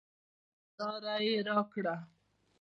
لاره یې راکړه.